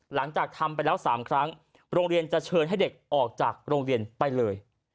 หลังจากทำไปแล้ว๓ครั้งโรงเรียนจะเชิญให้เด็กออกจากโรงเรียนไปเลย